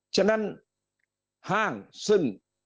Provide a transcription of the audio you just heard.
ฉะนั้นห้างซึ่ง